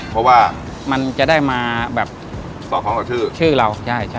เพราะว่ามันจะได้มากับชื่อเรา